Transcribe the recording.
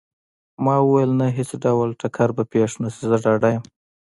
ما وویل: نه، هیڅ ډول ټکر به پېښ نه شي، زه ډاډه یم.